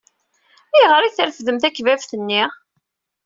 Ayɣer i trefdem takbabt-nni?